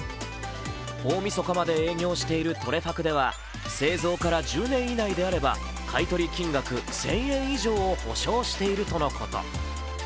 大みそかまで営業しているトレファクでは製造から１０年以内であれば、買取金額１０００円以上を保証しているとのこと。